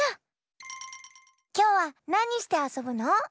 きょうはなにしてあそぶの？